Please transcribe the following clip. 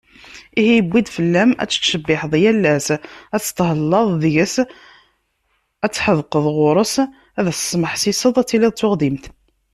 Ihi yewwi-d fell-am ad tettcebbiḥeḍ yal ass, ad teṭṭhellaḍ deg-s, ad tḥedqeḍ ɣuṛ-s, ad as-tesmeḥsiseḍ, ad tiliḍ d tuɣdimt.